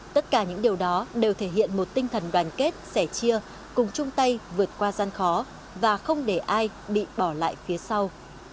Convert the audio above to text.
tất cả những điều đó đều thể hiện một tinh thần đoàn kết sẻ chia cùng chung tay vượt qua gian khó và không để ai bị bỏ lại phía sau